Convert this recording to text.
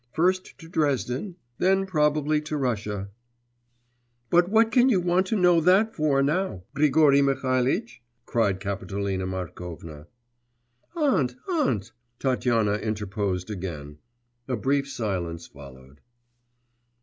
'First to Dresden, then probably to Russia.' 'But what can you want to know that for now, Grigory Mihalitch?' ... cried Kapitolina Markovna. 'Aunt, aunt,' Tatyana interposed again. A brief silence followed.